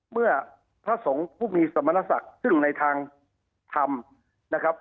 เมื่อพระสงฆ์พรุ่งมีสมณสักซึ่งในทางทำ